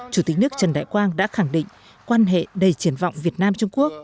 chủ tịch nước trần đại quang đã khẳng định quan hệ đầy triển vọng việt nam trung quốc